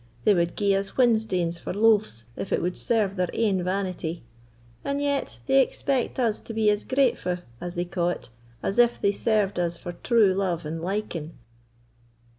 They wad gie us whinstanes for loaves, if it would serve their ain vanity, and yet they expect us to be as gratefu', as they ca' it, as if they served us for true love and liking."